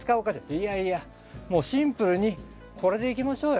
いやいやもうシンプルにこれでいきましょうよ。